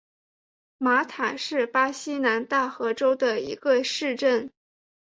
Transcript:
马塔是巴西南大河州的一个市镇。